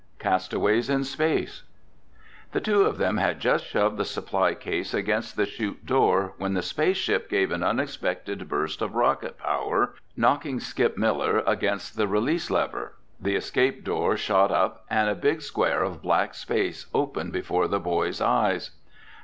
CASTAWAYS IN SPACE The two of them had just shoved the supply case against the chute door when the space ship gave an unexpected burst of rocket power, knocking Skip Miller against the release lever. The escape door shot up and a big square of black space opened before the boys' eyes.